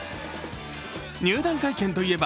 入団会見といえば